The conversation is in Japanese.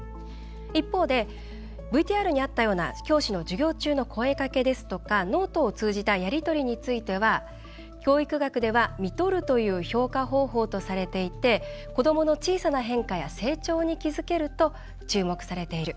一方でＶＴＲにあったような教師の授業中の声かけですとかノートを通じたやり取りについては教育学では「見取る」という評価方法とされていて子どもの小さな変化や成長に気付けると注目されている。